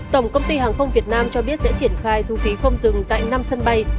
tổng công ty hàng không việt nam cho biết sẽ triển khai thu phí không dừng tại năm sân bay